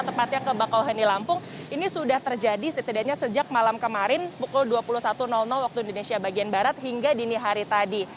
tepatnya ke bakauheni lampung ini sudah terjadi setidaknya sejak malam kemarin pukul dua puluh satu waktu indonesia bagian barat hingga dini hari tadi